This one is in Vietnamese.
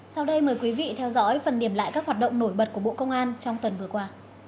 sau đây mời quý vị theo dõi phần điểm lại các hoạt động nổi bật của bộ công an trong tuần vừa qua